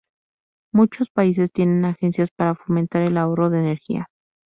Muchos países tienen agencias para fomentar el ahorro de energía.